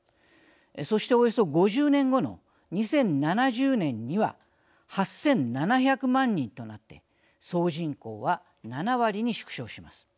そしておよそ５０年後の２０７０年には８，７００万人となって総人口は７割に縮小します。